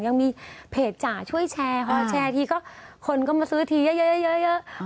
ยังมีเพจจ่ะช่วยแชร์เพราะแชร์ทีก็คนก็มาซื้อทีเยอะเยอะเยอะเยอะเยอะ